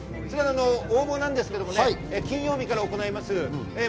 応募ですが金曜日から行います。